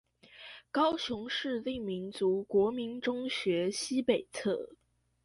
高雄市立民族國民中學西北側